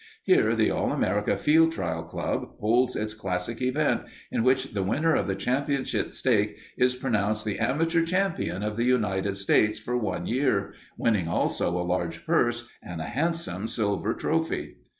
Here the All America Field Trial Club holds its classic event, in which the winner of the Championship stake is pronounced the amateur champion of the United States for one year, winning also a large purse and a handsome silver trophy."